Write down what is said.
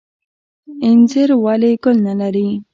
انځر ولې ګل نلري؟